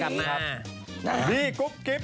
สวัสดีครับ